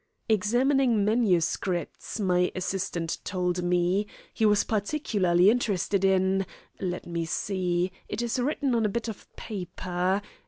"Examining manuscripts, my assistant told me. He was particularly interested in let me see it is written on a bit of paper.